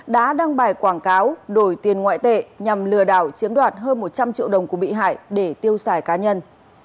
đã đăng bài quảng cáo đổi tiền ngoại tệ nhằm lừa đảo chiếm đoạt hơn một trăm linh triệu đồng của bị hại để tiêu xài cá nhân